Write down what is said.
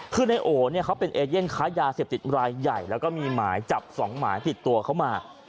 คือในโอเนี่ยเขาเป็นเอเย่นค้ายาเสพติดรายใหญ่แล้วก็มีหมายจับ๒หมายติดตัวเขามา